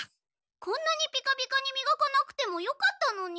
こんなにピカピカにみがかなくてもよかったのに。